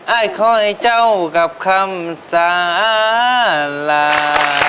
อ้ายขอให้เจ้ากับคำสาลา